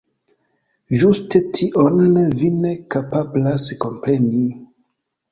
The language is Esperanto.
Ĝuste tion vi ne kapablas kompreni...